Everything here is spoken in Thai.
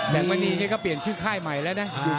แสงมณีเนี่ยก็เปลี่ยนชื่อค่ายใหม่แล้วเนี่ย